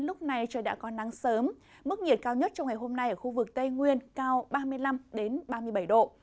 lúc này trời đã có nắng sớm mức nhiệt cao nhất trong ngày hôm nay ở khu vực tây nguyên cao ba mươi năm ba mươi bảy độ